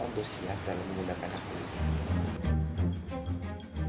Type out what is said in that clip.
antusias dalam menggunakan hak pilih